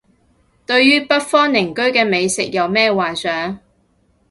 對於北方鄰居嘅美食冇咩幻想